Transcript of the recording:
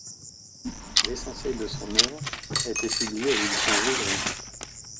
L'essentiel de son œuvre a été publié aux Editions Rougerie.